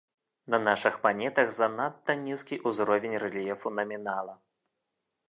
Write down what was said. На нашых манетах занадта нізкі ўзровень рэльефу намінала.